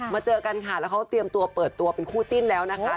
เจอกันค่ะแล้วเขาเตรียมตัวเปิดตัวเป็นคู่จิ้นแล้วนะคะ